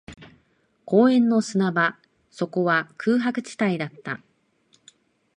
公園の砂場、そこは空白地帯だった